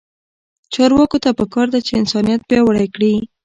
چارواکو ته پکار ده چې، انسانیت پیاوړی کړي.